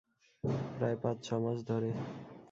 প্রায়, পাঁচ-ছমাস ধরে।